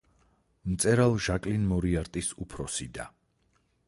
მწერალ ჟაკლინ მორიარტის უფროსი და.